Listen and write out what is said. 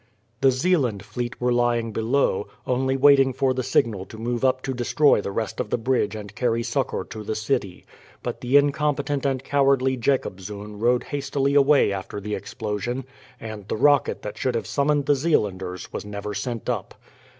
The Zeeland fleet were lying below, only waiting for the signal to move up to destroy the rest of the bridge and carry succour to the city; but the incompetent and cowardly Jacobzoon rowed hastily away after the explosion, and the rocket that should have summoned the Zeelanders was never sent up.